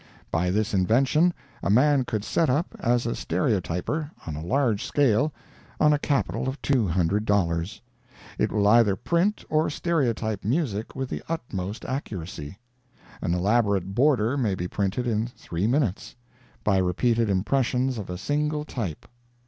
By this invention, a man could set up, as a stereotyper, on a large scale, on a capital of $200. It will either print or stereotype music with the utmost accuracy. An elaborate "border" may be printed in three minutes, by repeated impressions of a single type.